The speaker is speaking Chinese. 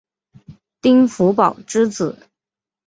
丁福保之子。